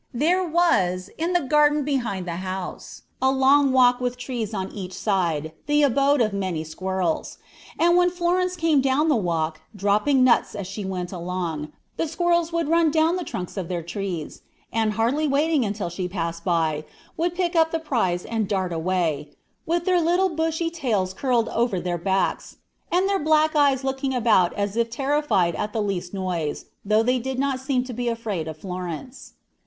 "There was, in the garden behind the house, a long walk with trees on each side, the abode of many squirrels; and when Florence came down the walk, dropping nuts as she went along, the squirrels would run down the trunks of their trees, and, hardly waiting until she passed by, would pick up the prize and dart away, with their little bushy tails curled over their backs, and their black eyes looking about as if terrified at the least noise, though they did not seem to be afraid of Florence.